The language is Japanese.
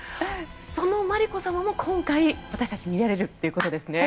そのマリコ様も今回、私たちは見られるということですね。